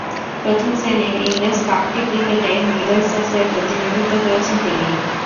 প্রথম-শ্রেণীর ইংরেজ কাউন্টি ক্রিকেটে মিডলসেক্সের প্রতিনিধিত্ব করেছেন তিনি।